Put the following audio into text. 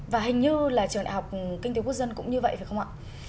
và hình như là trường đại học kinh tế quốc dân cũng như vậy phải không ạ